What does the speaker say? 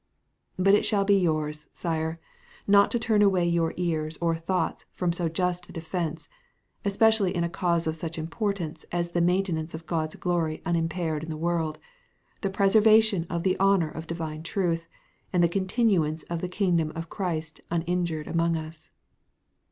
But it shall be yours, Sire, not to turn away your ears or thoughts from so just a defence, especially in a cause of such importance as the maintenance of God's glory unimpaired in the world, the preservation of the honor of divine truth, and the continuance of the kingdom of Christ uninjured among us.